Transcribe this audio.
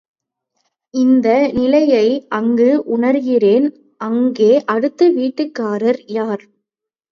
இந்த நிலையை அங்கு உணர்கிறேன், அங்கே அடுத்த வீட்டுக்காரர் யார்?